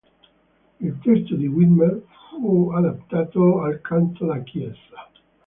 Il testo di Widmer fu adattato al canto da chiesa.